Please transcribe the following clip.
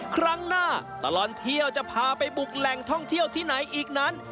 ครั้งหน้าตลอดเที่ยวจะพาไปบุกแหล่งท่องเที่ยวที่ไหนอีกนั้น